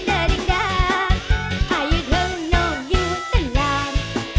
ไห้หยุดล่มยูต๊อนหลาน